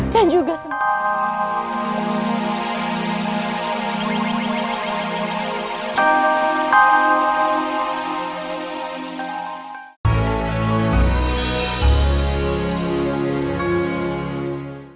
dan juga semua